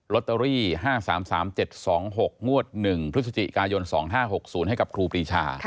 ตเตอรี่๕๓๓๗๒๖งวด๑พฤศจิกายน๒๕๖๐ให้กับครูปรีชา